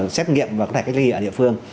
xét nghiệm và có thể cách ly ở địa phương